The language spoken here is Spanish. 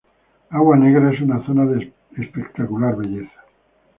Agua Negra es una zona de espectacular belleza.